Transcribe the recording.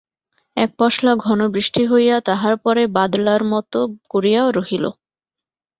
এক পশলা ঘন বৃষ্টি হইয়া তাহার পরে বাদলার মতো করিয়া রহিল।